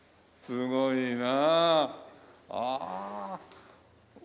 すごいな。